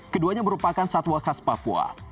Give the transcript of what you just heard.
keduanya merupakan satwa khas papua